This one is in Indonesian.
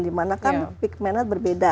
dimana kan pigment nya berbeda